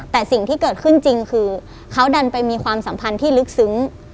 แต่สิ่งที่เกิดขึ้นจริงคือเขาดันไปมีความสัมพันธ์ที่ลึกซึ้ง